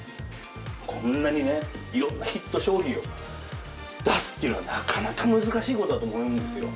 こんなにねいろんなヒット商品を出すっていうのはなかなか難しい事だと思うんですよ。